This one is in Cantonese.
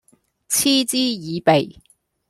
嗤之以鼻